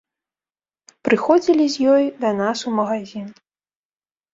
Прыходзілі з ёй да нас у магазін.